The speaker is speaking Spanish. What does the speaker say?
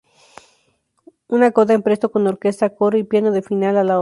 Una coda en presto con orquesta, coro y piano da final a la obra.